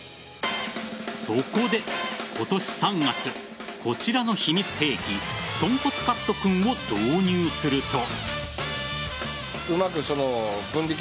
そこで今年３月こちらの秘密兵器とんこつカット君を導入すると。